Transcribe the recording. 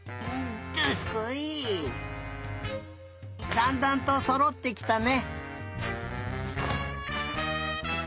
だんだんとそろってきたね。